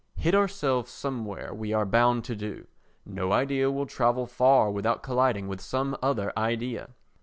Hit ourselves somewhere we are bound to do: no idea will travel far without colliding with some other idea.